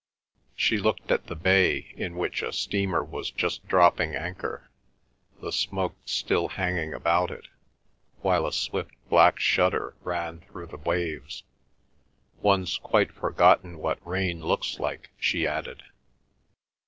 She looked at the bay, in which a steamer was just dropping anchor, the smoke still hanging about it, while a swift black shudder ran through the waves. "One's quite forgotten what rain looks like," she added.